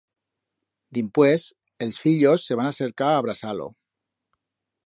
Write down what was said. Dimpués, els fillos se van acercar a abrazar-lo.